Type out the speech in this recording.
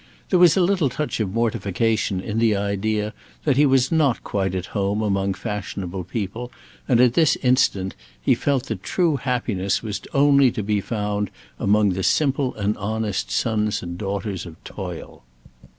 There was a little touch of mortification in the idea that he was not quite at home among fashionable people, and at this instant he felt that true happiness was only to be found among the simple and honest sons and daughters of toil.